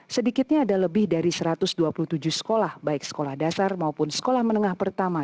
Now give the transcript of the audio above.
sedikitnya ada lebih dari satu ratus dua puluh tujuh sekolah baik sekolah dasar maupun sekolah menengah pertama